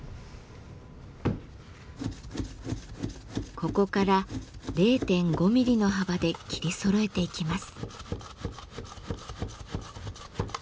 ここから０．５ミリの幅で切りそろえていきます。